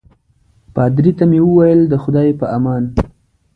پادري ته مې وویل د خدای په امان.